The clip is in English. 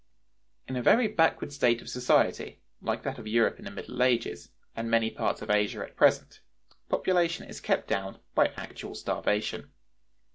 (123) (1.) In a very backward state of society, like that of Europe in the middle ages, and many parts of Asia at present, population is kept down by actual starvation.